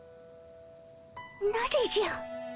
なぜじゃ。